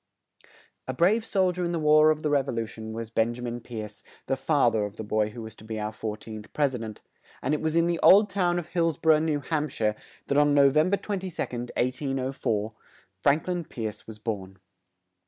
A brave sol dier in the War of the Rev o lu tion was Ben ja min Pierce, the fa ther of the boy who was to be our four teenth pres i dent; and it was in the old town of Hills bor ough, New Hamp shire, that, on No vem ber 22d, 1804, Frank lin Pierce was born.